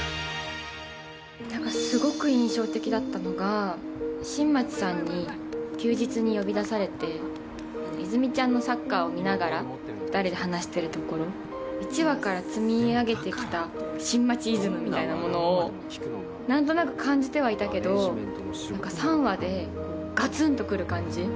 何かすごく印象的だったのが新町さんに休日に呼び出されて泉実ちゃんのサッカーを見ながら２人で話してるところ１話から積み上げてきた新町イズムみたいなものを何となく感じてはいたけど何か３話でこうガツンとくる感じ